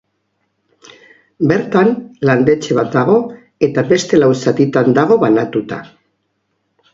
Bertan, landetxe bat dago eta beste lau zatitan dago banatuta.